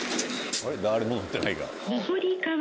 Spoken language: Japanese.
誰も乗ってないから。